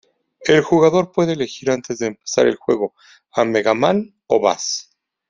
El jugador puede elegir antes de empezar el juego a Mega Man o Bass.